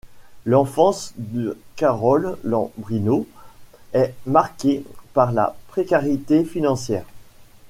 L'enfance de Carol Lambrino est marquée par la précarité financière.